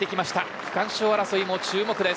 区間賞争いも注目です。